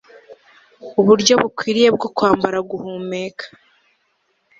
uburyo bukwiriye bwo kwambara guhumeka